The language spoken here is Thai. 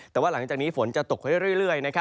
แต่ว่าหลังจากนี้ฝนจะตกค่อยเรื่อย